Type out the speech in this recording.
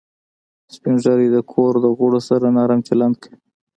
سپین ږیری د کور د غړو سره نرم چلند کوي